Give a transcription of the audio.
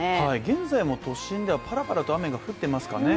現在も都心ではぱらぱらと雨が降っていますかね。